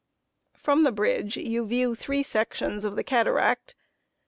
] From the bridge you view three sections of the Cataract.